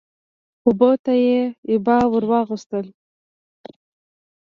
اوبو ته يې عبا ور واغوستل